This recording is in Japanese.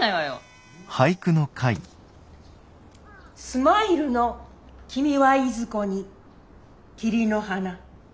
「スマイルの君はいずこに桐の花」。